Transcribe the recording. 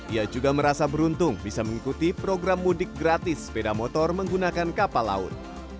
ia juga merasa beruntung bisa mengikuti program mudik gratis sepeda motor menggunakan kapal laut